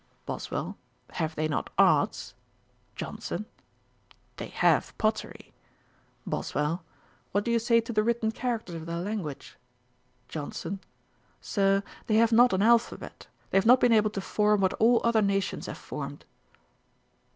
BOSWELL. 'Have they not arts?' JOHNSON. 'They have pottery.' BOSWELL. 'What do you say to the written characters of their language? 'JOHNSON. 'Sir, they have not an alphabet. They have not been able to form what all other nations have formed.'